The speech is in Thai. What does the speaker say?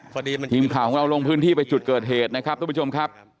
ทีมข่าวของเราลงพื้นที่ไปจุดเกิดเหตุนะครับทุกผู้ชมครับ